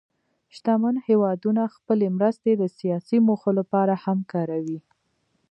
شتمن هېوادونه خپلې مرستې د سیاسي موخو لپاره هم کاروي.